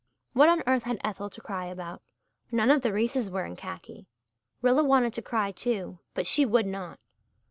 What on earth had Ethel to cry about? None of the Reeses were in khaki. Rilla wanted to cry, too but she would not.